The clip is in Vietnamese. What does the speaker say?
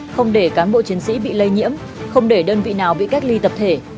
không để cán bộ chiến sĩ bị lây nhiễm không để đơn vị nào bị cách ly tập thể